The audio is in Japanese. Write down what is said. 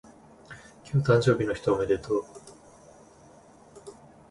今日誕生日の人おめでとう